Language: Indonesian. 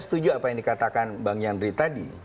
setuju apa yang dikatakan bang yandri tadi